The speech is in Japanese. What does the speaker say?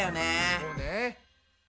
そうね。